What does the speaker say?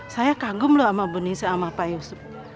saya kagum loh sama bu nissa sama pak yusuf